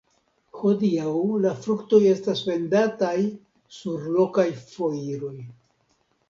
Hodiaŭ la fruktoj estas vendataj sur lokaj foiroj.